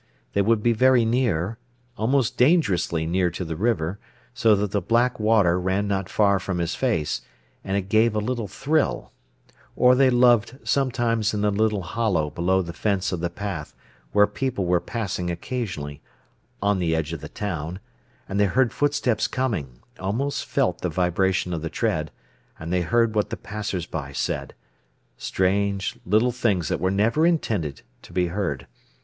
They would be very near, almost dangerously near to the river, so that the black water ran not far from his face, and it gave a little thrill; or they loved sometimes in a little hollow below the fence of the path where people were passing occasionally, on the edge of the town, and they heard footsteps coming, almost felt the vibration of the tread, and they heard what the passers by said—strange little things that were never intended to be heard.